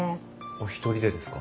お一人でですか？